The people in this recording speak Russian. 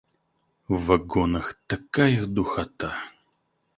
В вагонах такая духота.